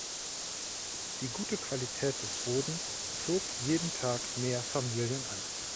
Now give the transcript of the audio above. Die gute Qualität des Bodens zog jeden Tag mehr Familien an.